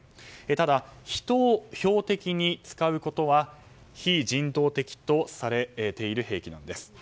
ただ、人を標的に使うことは非人道的とされている兵器なんです。